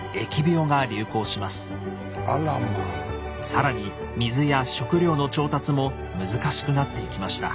更に水や食料の調達も難しくなっていきました。